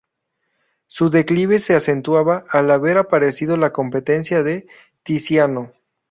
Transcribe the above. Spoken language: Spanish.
Su declive se acentuaba al haber aparecido la competencia de Tiziano.